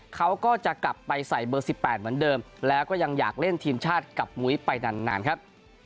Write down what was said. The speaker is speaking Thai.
เขาก็จะกลับไปใส่เบอร์๑๘เหมือนเดิมแล้วก็ยังอยากเล่นทีมชาติกับมุ้ยไปนานครับ